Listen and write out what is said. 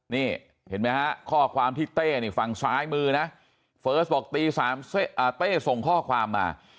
นี่เห็นไหมฮะข้อความที่เต้นี่ฝั่งซ้ายมือนะเฟิร์สบอกตี๓เต้ส่งข้อความมา